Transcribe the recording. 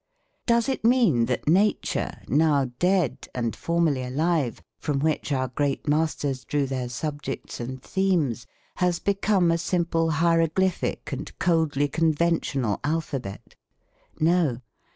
Does it mean that nature, now dead and formerly alive, from which our great masters drew their subjects and themes, has become a simple hieroglyphic and coldly conventional alphabet? No.